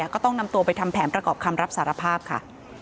ก็ต้องนำตัวไปทำแผนประกอบคำรับสารภาพค่ะ